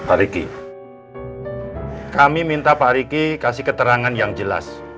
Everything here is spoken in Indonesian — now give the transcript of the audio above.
pak riki kami minta pak riki kasih keterangan yang jelas